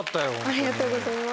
ありがとうございます。